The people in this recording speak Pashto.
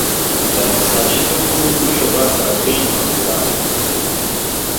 د نساجي توکو لویه برخه وړین محصولات وو.